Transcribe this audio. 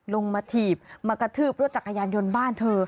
มาถีบมากระทืบรถจักรยานยนต์บ้านเธอ